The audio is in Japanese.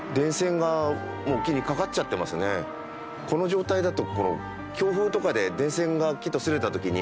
この状態だと。